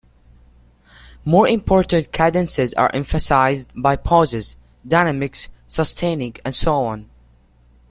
More important cadences are emphasized by pauses, dynamics, sustaining and so on.